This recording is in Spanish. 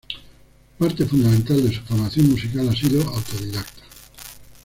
Parte fundamental de su formación musical ha sido autodidacta.